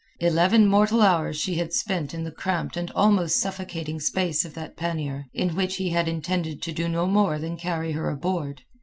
Eleven mortal hours had she spent in the cramped and almost suffocating space of that pannier, in which he had intended to do no more than carry her aboard.